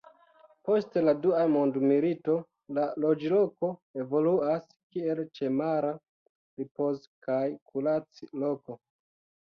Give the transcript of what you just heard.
Post la Dua mondmilito la loĝloko evoluas kiel ĉemara ripoz- kaj kurac-loko.